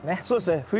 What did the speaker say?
そうですね。